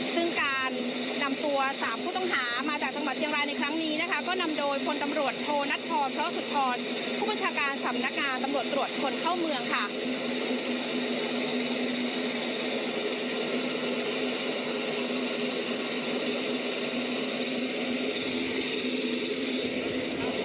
ซึ่งการนำตัวสามผู้ต้องหามาจากจังหวัดเจียงรายในครั้งนี้นะคะก็นำโดยคนตำรวจโทนัดพอเพราะสุดทอด